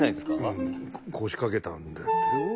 うん腰掛けたんだってよ？